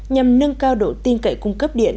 nhằm nâng cao độ tiên cậy cung cấp điện